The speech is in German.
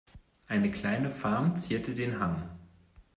Eine kleine Farm zierte den Hang.